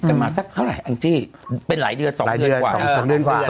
กันมาสักเท่าไหร่อังจิเป็นหลายเดือน๒เดือนกว่า